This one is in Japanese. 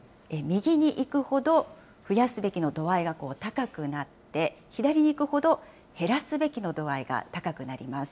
右に行くほど、増やすべきの度合いが高くなって、左にいくほど減らすべきの度合いが高くなります。